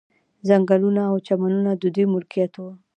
ځنګلونه او چمنونه د دوی ملکیت وو.